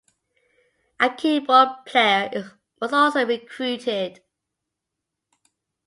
A keyboard player was also recruited.